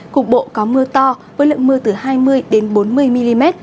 cục bộ có mưa to với lượng mưa từ hai mươi bốn mươi mm